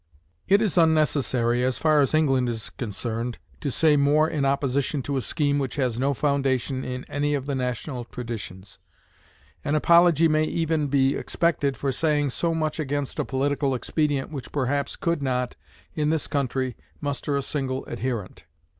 It is unnecessary, as far as England is concerned, to say more in opposition to a scheme which has no foundation in any of the national traditions. An apology may even be expected for saying so much against a political expedient which perhaps could not, in this country, muster a single adherent.